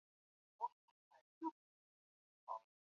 多腺远环蚓为巨蚓科远环蚓属下的一个种。